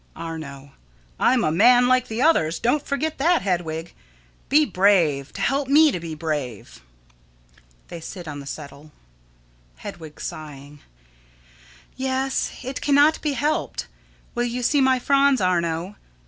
Arno: I'm a man, like the others; don't forget that, Hedwig. Be brave to help me to be brave. [They sit on the settle.] Hedwig: Yes, it cannot be helped. Will you see my Franz, Arno?